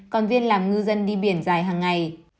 còn viên làm ngư dân đi biển dài hàng ngày